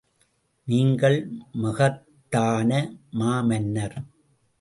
நீங்கள் மகத்தான மாமன்னர்!